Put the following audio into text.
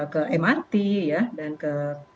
ke mrt ya dan ke